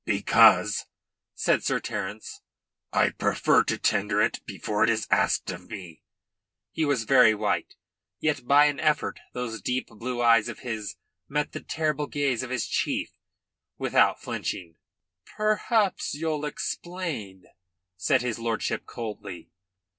"Because," said Sir Terence, "I prefer to tender it before it is asked of me." He was very white, yet by an effort those deep blue eyes of his met the terrible gaze of his chief without flinching. "Perhaps you'll explain," said his lordship coldly.